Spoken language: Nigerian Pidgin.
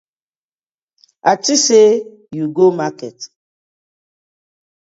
A tink sey you go market.